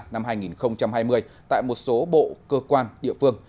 năm hai nghìn hai mươi tại một số bộ cơ quan địa phương